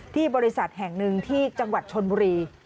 บริษัทแห่งหนึ่งที่จังหวัดชนบุรี